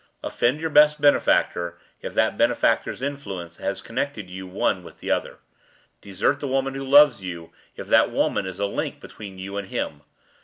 Offend your best benefactor, if that benefactor's influence has connected you one with the other. Desert the woman who loves you, if that woman is a link between you and him.